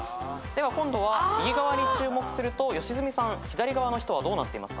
では今度は右側に注目すると良純さん左側の人はどうなっていますか？